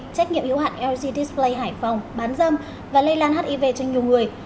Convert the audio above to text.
trách nhiệm hiếu hạn lg display hải phòng bán dâm và lây lan hiv cho nhiều người